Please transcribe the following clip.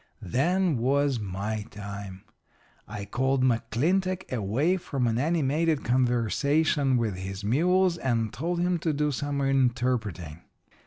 "Then was my time. "I called McClintock away from an animated conversation with his mules and told him to do some interpreting.